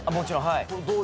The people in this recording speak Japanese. はい。